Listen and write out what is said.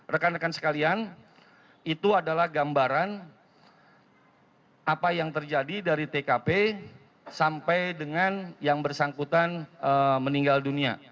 rekan rekan sekalian itu adalah gambaran apa yang terjadi dari tkp sampai dengan yang bersangkutan meninggal dunia